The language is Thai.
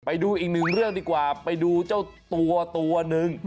ไปดูอีกหนึ่งเรื่องดีกว่าไปดูเจ้าตัวตัวหนึ่ง